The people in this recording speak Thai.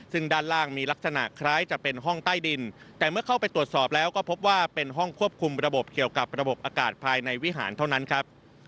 ซึ่งด้านล่างมีลักษณะคล้ายจะเป็นห้องใต้ดินแต่เมื่อเข้าไปตรวจสอบแล้วก็พบว่าเป็นห้องควบคุมระบบเกี่ยวกับระบบอากาศภายในวิหารเท่านั้นครับ